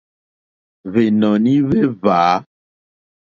Hwènɔ̀ní hwé hwǎ.